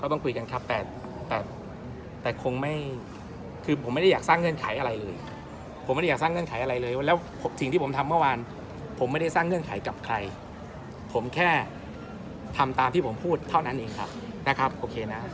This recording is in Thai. ต้องคุยกันครับแต่คงไม่คือผมไม่ได้อยากสร้างเงื่อนไขอะไรเลยผมไม่ได้อยากสร้างเงื่อนไขอะไรเลยแล้วสิ่งที่ผมทำเมื่อวานผมไม่ได้สร้างเงื่อนไขกับใครผมแค่ทำตามที่ผมพูดเท่านั้นเองครับนะครับโอเคนะ